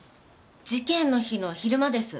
事件の日の昼間です。